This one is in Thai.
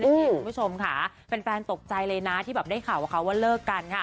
ทุกผู้ชมค่ะเป็นแฟนตกใจเลยก็ได้ข่าวนะคะว่าเลิกกัน